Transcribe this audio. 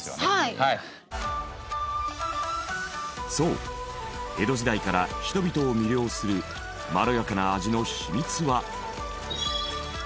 そう江戸時代から人々を魅了するまろやかな味の秘密は。